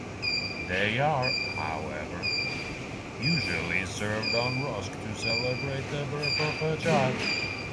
They are, however, usually served on rusk to celebrate the birth of a child.